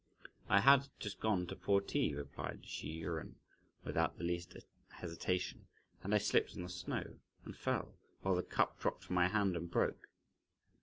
"I had just gone to pour tea," replied Hsi Jen, without the least hesitation, "and I slipped on the snow and fell, while the cup dropped from my hand and broke.